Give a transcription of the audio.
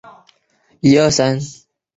成为当时河南省仅有的四所中学堂之一。